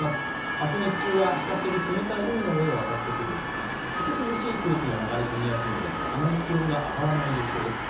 あす日中は比較的冷たい海の上を渡ってくる、比較的涼しい空気が流れ込みやすいのであまり気温が上がらない予想です。